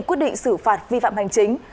quyết định xử phạt vi phạm hành chính